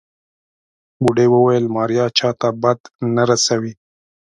بوډۍ وويل ماريا چاته بد نه رسوي.